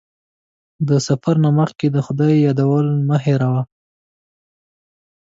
د سفر نه مخکې د خدای یادول مه هېروه.